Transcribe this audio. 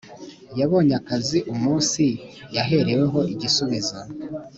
Yabonye akazi umunsi yahereweho igisubizo